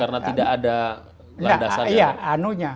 karena tidak ada landasannya